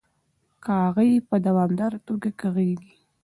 کاغۍ په دوامداره توګه کغیږي.